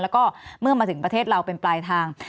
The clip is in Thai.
แล้วก็เมื่อมาถึงประเทศเราเป็นปลายทาง